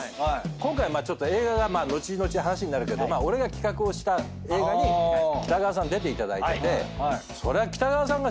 今回ちょっと映画が後々話になるけど俺が企画をした映画に北川さん出ていただいててそりゃ。